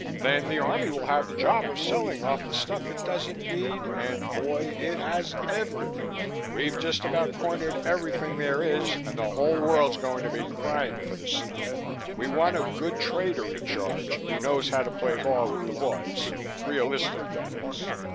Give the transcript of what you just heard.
Then the Army will have the job of selling off the stuff it doesn't need and boy! it has everything. We've just about cornered everything there is and the whole world's going to be crying for the stuff. We want a good trader in charge, who knows how to play ball with the boys, realistic that is.